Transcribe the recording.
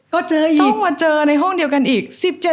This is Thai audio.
ก็เจออีกต้องมาเจอในห้องเดียวกันอีก